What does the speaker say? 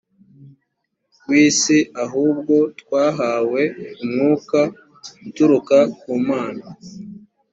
w isi ahubwo twahawe umwuka uturuka ku mana